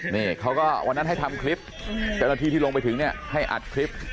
นี่เขาก็วันนั้นให้ทำคลิปเจ้าหน้าที่ที่ลงไปถึงเนี่ยให้อัดคลิป